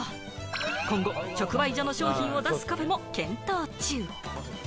今後、直売所の商品を出すカフェも検討中。